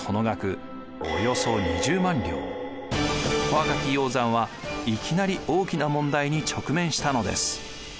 若き鷹山はいきなり大きな問題に直面したのです。